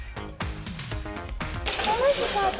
楽しかった。